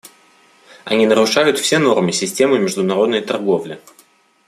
Они нарушают все нормы системы международной торговли.